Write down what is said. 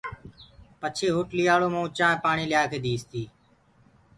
پڇي هوٽلَيآݪو مئونٚ چآنٚه پآڻِيٚ ليآڪي ديٚستيٚ